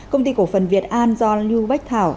công ty cổ phần việt an do lưu bách thảo